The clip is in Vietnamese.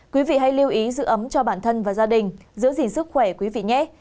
quý vị hãy lưu ý giữ ấm cho bản thân và gia đình giữ gìn sức khỏe quý vị nhé